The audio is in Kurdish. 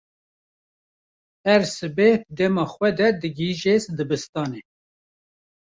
Her sibeh di dema xwe de digihêje dibistanê.